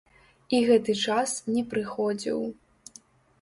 І гэты час не прыходзіў.